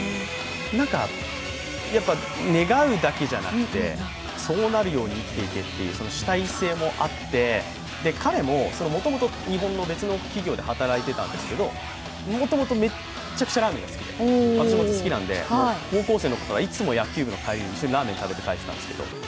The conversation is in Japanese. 願うだけじゃなくて、そうなるように生きていけというそういう主体性もあって、彼ももともと、日本の別の企業で働いていたんですけど、もともとめっちゃくちゃラーメン好きで、私も好きなんで、高校生のころから、いつも野球部の帰り、一緒にラーメン食べて帰ってたんですけど。